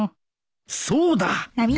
そうだ！